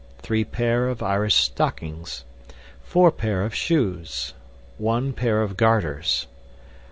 Three paire of Irish stockins. Foure paire of shooes. One paire of garters.